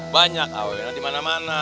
banyak awewe dimana mana